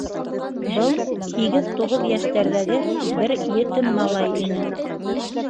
Был — һигеҙ-туғыҙ йәштәрҙәге бер етем малай ине.